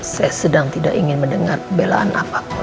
saya sedang tidak ingin mendengar pembelaan apapun